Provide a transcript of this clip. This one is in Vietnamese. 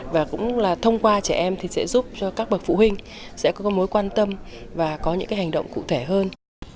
và cũng là thông qua trẻ em sẽ giúp cho các bậc phụ huynh có mối quan tâm và có những hành động cụ thể hơn